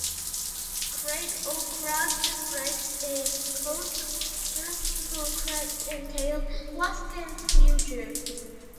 "Craig", or "crag", describes a post-glacial crag and tail landscape feature.